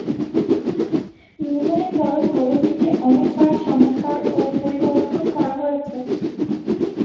নির্মাণের পরেও ভবনটিকে অনেক বার সংস্কার অ পরিবর্ধন করা হয়েছে।